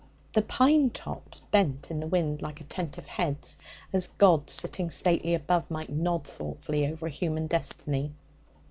The pine tops bent in the wind like attentive heads, as gods, sitting stately above, might nod thoughtfully over a human destiny.